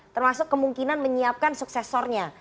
termasuk kemungkinan menyiapkan suksesornya